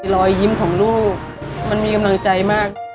รอยยิ้มของลูกมันมีกำลังใจมาก